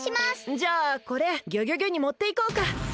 じゃあこれギョギョギョにもっていこうか！